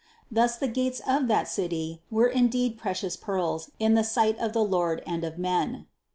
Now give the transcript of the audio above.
Thus the gates of that city were indeed precious pearls in the sight of the Lord and of men.